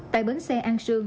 tại bến xe ăn sương